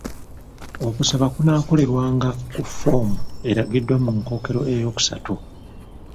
Okusaba kunaakolerwanga ku foomu eragiddwa mu nkookero ey'okusatu.